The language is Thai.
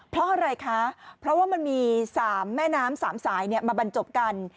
เพราะอะไรคะเพราะว่ามันมี๓แม่น้ำ๓สายมาบรรจบกัน